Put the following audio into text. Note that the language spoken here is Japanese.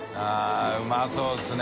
◆うまそうですね